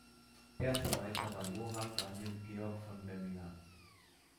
Erster Leiter wurde Johann Daniel Georg von Memminger.